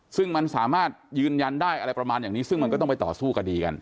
ซึ่งมันสามารถยืนยันได้อะไรประมาณอย่างนี้ซึ่งมันก็ต้องไปต่อสู้คดีกัน